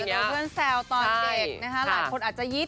อาจจะโดนเพื่อนแซวตอนเด็กหลายคนอาจจะยี๊ด